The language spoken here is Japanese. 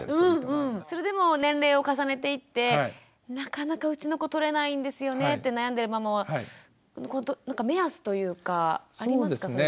それでも年齢を重ねていって「なかなかうちの子とれないんですよね」って悩んでるママはなんか目安というかありますか？